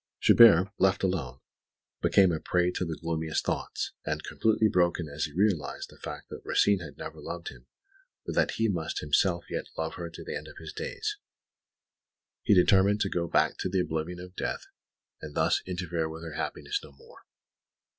Chabert, left alone, became a prey to the gloomiest thoughts; and, completely broken as he realised the fact that Rosine had never loved him, but that he must himself yet love her to the end of his days, he determined to go back to the oblivion of death and thus interfere with her happiness no more.